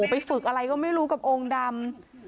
ไปฝึกอะไรก็ไม่รู้กับองค์ดำ